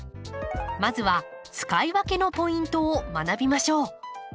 まずは使い分けのポイントを学びましょう。